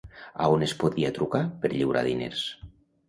A on es podia trucar per lliurar diners?